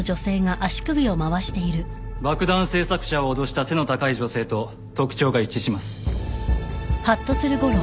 爆弾製作者を脅した背の高い女性と特徴が一致します。